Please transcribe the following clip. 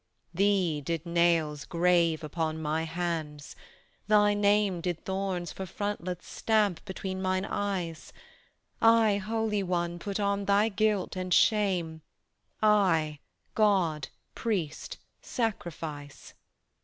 Thee did nails grave upon My hands, thy name Did thorns for frontlets stamp between Mine eyes: I, Holy One, put on thy guilt and shame; I, God, Priest, Sacrifice.